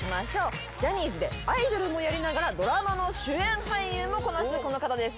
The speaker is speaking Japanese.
ジャニーズでアイドルもやりながらドラマの主演俳優もこなすこの方です